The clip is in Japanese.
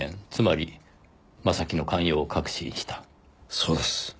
そうです。